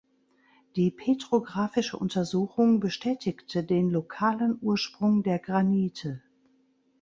Die petrographische Untersuchung bestätigte den lokalen Ursprung der Granite.